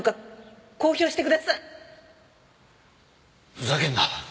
ふざけんな。